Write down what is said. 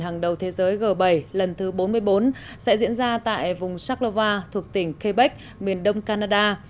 hàng đầu thế giới g bảy lần thứ bốn mươi bốn sẽ diễn ra tại vùng shaklova thuộc tỉnh quebec miền đông canada